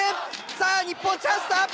さあ日本チャンスだ！